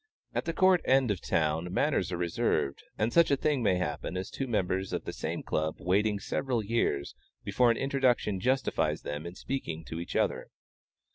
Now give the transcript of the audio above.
At the Court End of the town manners are reserved; and such a thing may happen as two members of the same Club waiting several years, before an introduction justifies them in speaking to each other.